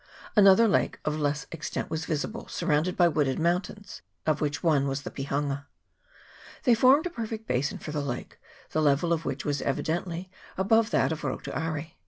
Another lake of less extent was visible, surrounded by wooded mountains, of which one was the Pihanga. They formed a perfect basin for the lake, the level of which was evidently above that of Rotu Aire.